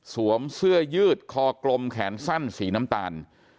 สวมเสื้อยืดคอกลมแขนสั้นสีน้ำตาล